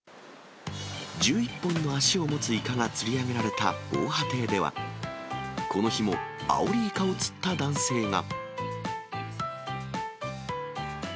１１本の足を持つイカが釣り上げられた防波堤では、この日も、アオリイカを釣った男性が。